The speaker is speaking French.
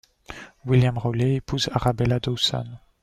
William Rowley épouse Arabella Dawson.